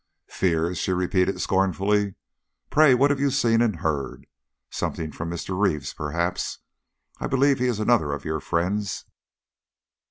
"Fears!" she repeated scornfully. "Pray what have you seen and heard. Something from Mr. Reeves, perhaps I believe he is another of your friends?"